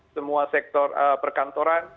semua sektor perkantoran